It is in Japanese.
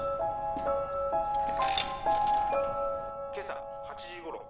「今朝８時頃」